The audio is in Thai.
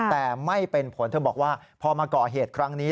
แต่ไม่เป็นผลเธอบอกว่าพอมาก่อเหตุครั้งนี้